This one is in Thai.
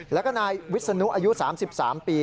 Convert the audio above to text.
แล้วก็นายวิศนุอายุ๓๓ปี